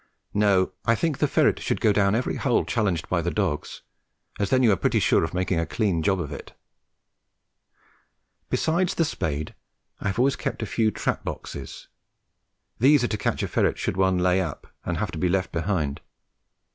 No, I think the ferret should go down every hole challenged by the dogs, as then you are pretty sure of making a clean job of it. Besides the spade, I have always kept a few trap boxes. These are to catch a ferret should one lay up and have to be left behind.